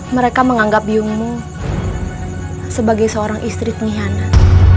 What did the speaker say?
mereka menganggap biungmu sebagai seorang istri pengkhianat